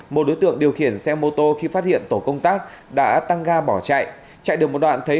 một đối tượng điều khiển xe mô tô khi phát hiện tổ công tác đã tăng ga bỏ chạy chạy được một đoạn thấy